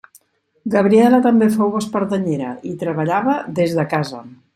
Gabriela també fou espardenyera, i treballava des de casa.